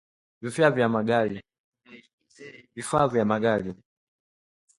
vifaa vya magari